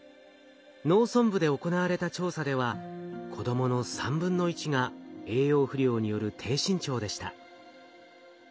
農村部で行われた調査では子どもの1/3が栄養不良による低身長でした。